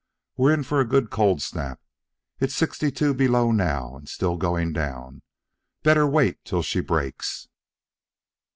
"We're in for a good cold snap. It's sixty two below now, and still goin' down. Better wait till she breaks."